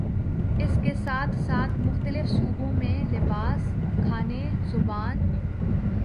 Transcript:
اس کے ساتھ ساتھ مختلف صوبوں میں لباس، کھانے، زبان